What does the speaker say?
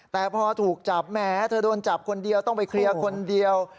แต่พอถูกจับแหมเธอโดนจับคนเดียวต้องไปเคลียร์คนเดียว